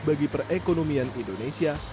bagi perekonomian indonesia